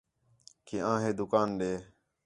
کہ آں ہِے دُکان ݙے